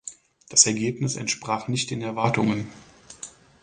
Das Ergebnis entsprach nicht den Erwartungen.